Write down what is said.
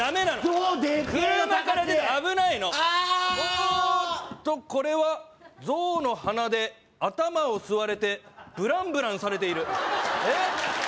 おっとこれはゾウの鼻で頭を吸われてぶらんぶらんされているえっ？